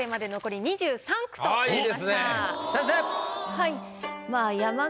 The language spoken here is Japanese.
はい。